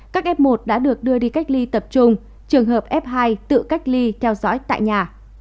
các f một đã được đưa đi cách ly tập trung trường hợp f hai tự cách ly theo dõi tại nhà